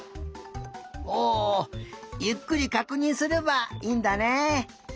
おゆっくりかくにんすればいいんだね。